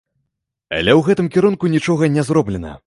Але ў гэтым кірунку нічога не зроблена.